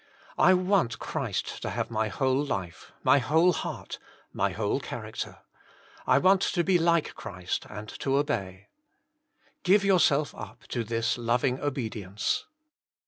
I want Christ to have my whole life, my whole heart, my whole charac ter. I want to be like Christ and to obey. " Grive yourself up to this loving obedience.